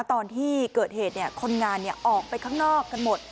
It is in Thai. ตอนที่เกิดเหตุเนี่ยคนงานเนี่ยออกไปข้างนอกกันหมด